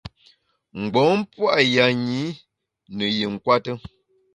Mgbom pua’ yanyi ne yi nkwete.